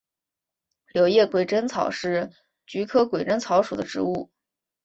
柳叶鬼针草是菊科鬼针草属的植物。